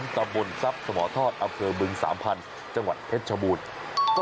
ตะบนทรัพย์สมรทรอเมือง๓๐๐๐จังหวัดเทชบูรค์